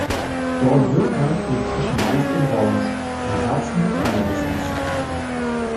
Dorn-Dürkheim liegt zwischen Mainz und Worms, im "Herzen Rheinhessens".